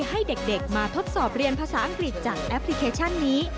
ให้เด็กมาทดสอบเรียนภาษาอังกฤษจากแอปพลิเคชันนี้